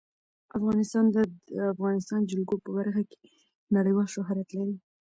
افغانستان د د افغانستان جلکو په برخه کې نړیوال شهرت لري.